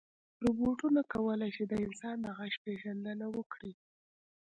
روبوټونه کولی شي د انسان د غږ پېژندنه وکړي.